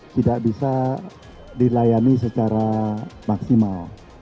tidak bisa dilayani secara maksimal